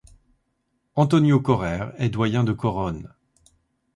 Antonio Correr est doyen de Corone.